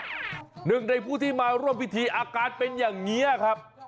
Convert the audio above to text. หนึ่งในผู้ที่มาร่วมพิธีอาการเป็นอย่างนี้ครับ